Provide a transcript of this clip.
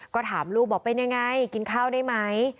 ก็ถามลูกบอกเป็นยังไงกินข้าวได้ไหม